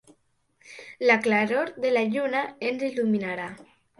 La claror de la lluna ens il·luminarà.